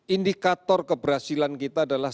indikator keberhasilan kita adalah